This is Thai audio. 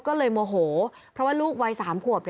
ก็เลยโมโหเพราะว่าลูกวัย๓ขวบ